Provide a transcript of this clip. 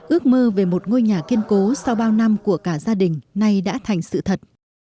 ước mơ về một ngôi nhà kiên cố sau bao năm của cả gia đình nay đã thành sự thật